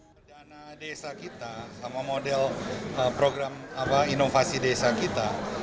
perdana desa kita sama model program inovasi desa kita